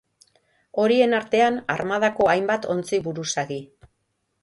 Horien artean armadako hainbat ontzi-buruzagi.